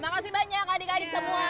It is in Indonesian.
makasih banyak adik adik semua